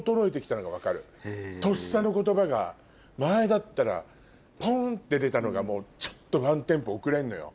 とっさの言葉が前だったらポン！って出たのがちょっとワンテンポ遅れるのよ。